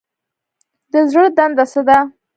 د زړه دنده څه ده؟